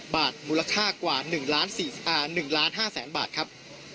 บาทมูลค่ากว่า๑๕๐๐๐๐บาทครับ